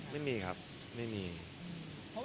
ไม่บอกว่าเราจะรับงานด้วยกับน้อง